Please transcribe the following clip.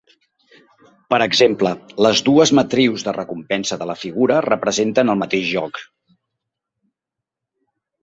Per exemple, les dues matrius de recompensa de la figura representen el mateix joc.